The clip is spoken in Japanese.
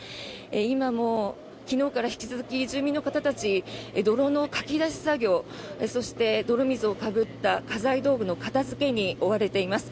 今も昨日から引き続き住民の方たち泥のかき出し作業そして泥水をかぶった家財道具の片付けに追われています。